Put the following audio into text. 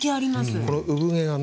この産毛がね